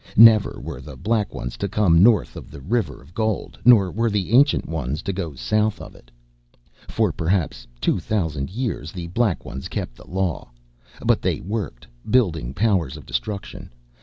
Never were the Black Ones to come north of the River of Gold nor were the Ancient Ones to go south of it. "For perhaps two thousand years the Black Ones kept the law. But they worked, building powers of destruction.